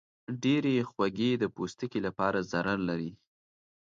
ډېرې خوږې د پوستکي لپاره ضرر لري.